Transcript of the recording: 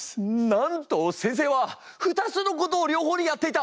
なんと先生は２つのことを両方でやっていた。